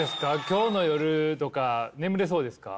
今日の夜とか眠れそうですか？